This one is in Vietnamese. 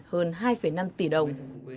hơn hai năm tỷ đồng